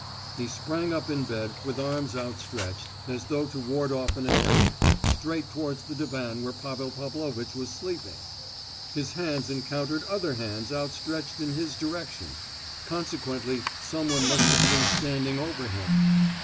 He sprang up in bed, with arms outstretched, as though to ward off an attack, straight towards the divan where Pavel Pavlovitch was sleeping. His hands encountered other hands outstretched in his direction; consequently some one must have been standing over him.